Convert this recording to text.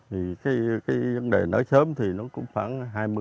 thì cái vấn đề nở sớm thì nó cũng khoảng hai mươi